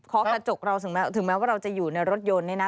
กระจกเราถึงแม้ว่าเราจะอยู่ในรถยนต์เนี่ยนะ